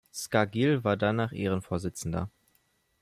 Scargill war danach Ehrenvorsitzender.